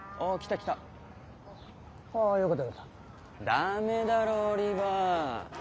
ダメだろオリバー。